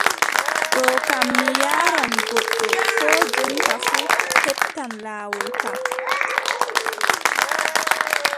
Ɗo kam mi yaaran goɗɗo koo jonta fuu, heɓtan laawol kam.